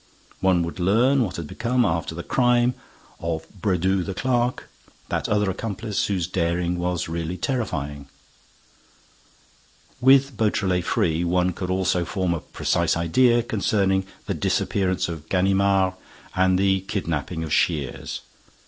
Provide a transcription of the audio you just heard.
One would learn what had become, after the crime, of Brédoux the clerk, that other accomplice, whose daring was really terrifying. With Beautrelet free, one could also form a precise idea concerning the disappearance of Ganimard and the kidnapping of Shears.